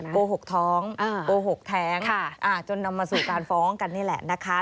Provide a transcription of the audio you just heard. โกหกท้องโกหกแท้งจนนำมาสู่การฟ้องกันนี่แหละนะคะ